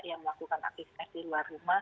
yang melakukan aktif tes di luar rumah